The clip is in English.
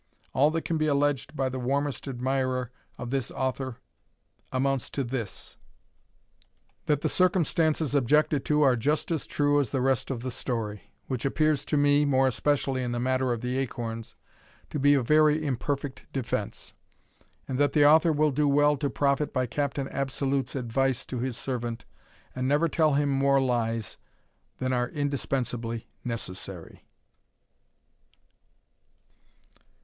All that can be alleged by the warmest admirer of this author amounts to this, that the circumstances objected to are just as true as the rest of the story; which appears to me (more especially in the matter of the acorns) to be a very imperfect defence, and that the author will do well to profit by Captain Absolute's advice to his servant, and never tell him more lies than are indispensably necessary.